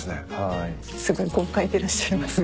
すごい豪快でいらっしゃいますね。